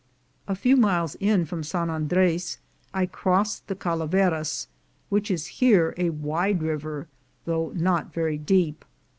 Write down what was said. A few miles in from San Andres I crossed the Calaveras, which is here a wide river, though not very deep.